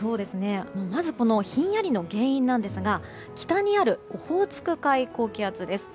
まず、このひんやりの原因ですが、北にあるオホーツク海高気圧です。